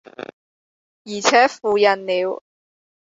而且付印了，